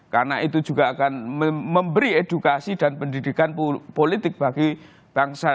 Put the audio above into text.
karena itu juga akan memberi edukasi dan pendidikan politik bagi bangsa